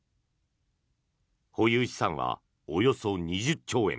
保有資産はおよそ２０兆円。